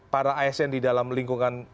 para asn di dalam lingkungan